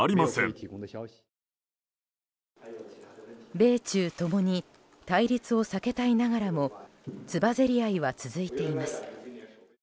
米中ともに対立を避けたいながらもつばぜり合いは続いています。